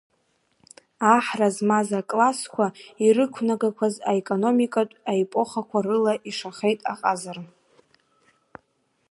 Аҳра змаз аклассқәа ирықәнагақәаз аекономикатә епохақәа рыла ишахеит аҟазара.